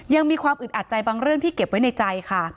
ยังมีความอึดอัดใจบางเรื่องที่เก็บไว้ในใจค่ะ